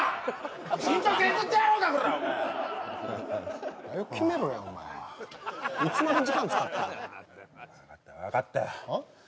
身長削ってやろうかコラッお前はよ決めろやお前いつまで時間使ってるねん分かった分かったよああ？